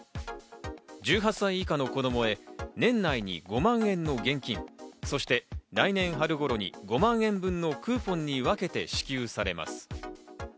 １８歳以下の子供へ年内に５万円の現金、そして来年春頃に５万円分のクーポンに分けて支給されます。